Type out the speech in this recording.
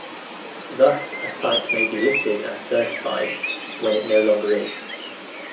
Thus a site may be listed as certified when it no longer is.